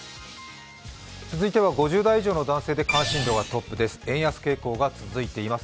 続いては５０代以上の男性で関心がトップです。